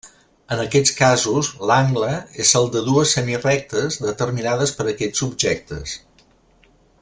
En aquests casos, l'angle és el de dues semirectes determinades per aquests objectes.